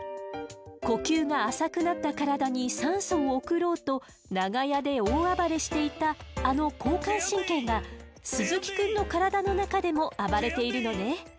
呼吸が浅くなった体に酸素を送ろうと長屋で大暴れしていたあの交感神経が鈴木くんの体の中でも暴れているのね。